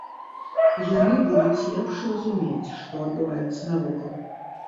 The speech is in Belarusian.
Яны будуць лепш разумець, што адбываецца навокал.